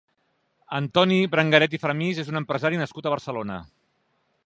Antoni Brengaret i Framis és un empresari nascut a Barcelona.